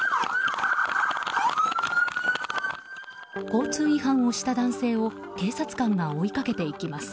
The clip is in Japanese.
交通違反をした男性を警察官が追いかけていきます。